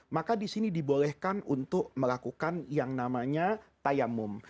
maka disini dibolehkan untuk melakukan yang namanya tayamum